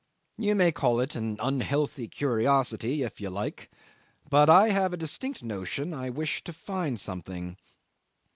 You may call it an unhealthy curiosity if you like; but I have a distinct notion I wished to find something.